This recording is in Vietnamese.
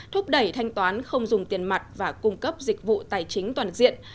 thúc đẩy thanh toán không dùng tiền mặt và cung cấp dịch vụ tài chính toàn diện